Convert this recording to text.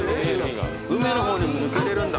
海の方にも抜けれるんだ。